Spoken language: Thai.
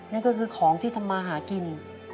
นั่นก็คือของที่ทำมาหากิน